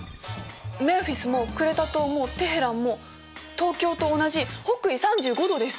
メンフィスもクレタ島もテヘランも東京と同じ北緯３５度です。